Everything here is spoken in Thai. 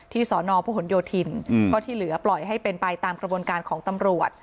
สอนอพหนโยธินก็ที่เหลือปล่อยให้เป็นไปตามกระบวนการของตำรวจ